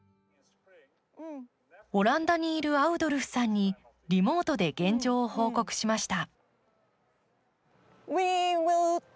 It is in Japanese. オランダにいるアウドルフさんにリモートで現状を報告しました。